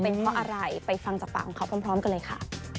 เป็นเพราะอะไรไปฟังจากปากของเขาพร้อมกันเลยค่ะ